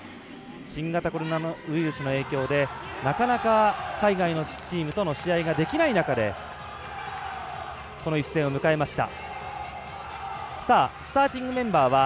新型コロナウイルスの影響でなかなか海外のチームとの試合ができない中でこの一戦を迎えました。